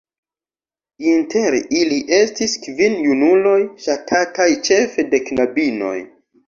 Inter ili estis kvin junuloj ŝatataj ĉefe de knabinoj.